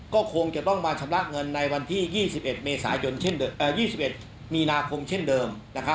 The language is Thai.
ก็คงจะต้องมาชำระเงินในวันที่๒๑เมษายน๒๑มีนาคมเช่นเดิม